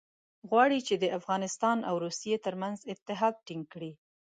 غواړي چې د افغانستان او روسیې ترمنځ اتحاد ټینګ کړي.